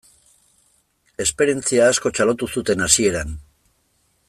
Esperientzia asko txalotu zuten hasieran.